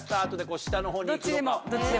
どっちでも。